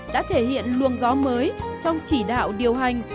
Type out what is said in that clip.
đã thể hiện luồng gió mới trong chỉ đạo điều hành